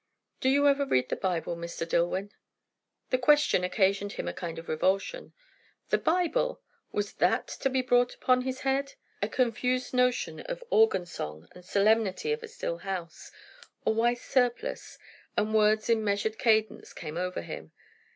"Do you ever read the Bible, Mr. Dillwyn?" The question occasioned him a kind of revulsion. The Bible! was that to be brought upon his head? A confused notion of organ song, the solemnity of a still house, a white surplice, and words in measured cadence, came over him.